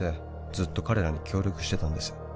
「ずっと彼らに協力してたんです」